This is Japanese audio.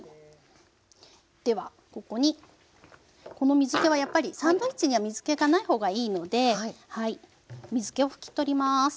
ではここにこの水けはやっぱりサンドイッチには水けがない方がいいので水けを拭き取ります。